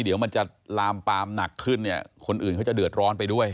เดี๋ยวมันจะลามปามหนักขึ้นเนี่ยคนอื่นเขาจะเดือดร้อนไปด้วย